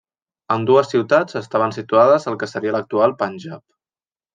Ambdues ciutats estaven situades al que seria l'actual Panjab.